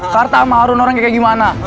karta sama harun orang kayak gimana